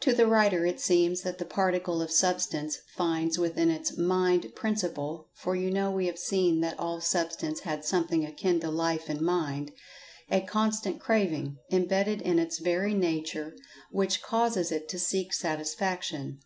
To the writer it seems that the Particle of Substance finds within its Mind principle (for you know we have seen that all Substance had something akin to Life and Mind) a constant craving, imbedded in its very nature, which causes it to seek Satisfaction.